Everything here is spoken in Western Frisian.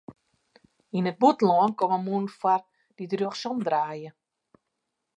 Yn it bûtenlân komme mûnen foar dy't rjochtsom draaie.